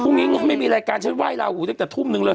งงไม่มีรายการฉันไห้ลาหูตั้งแต่ทุ่มนึงเลย